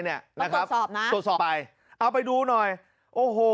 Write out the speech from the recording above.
ต้องตรวจสอบนะตรวจสอบไปเอาไปดูหน่อยโอ้โห